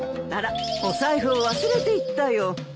あらお財布を忘れていったよ。